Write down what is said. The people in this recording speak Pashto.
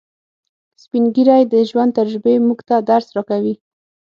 سپین ږیری د ژوند تجربې موږ ته درس راکوي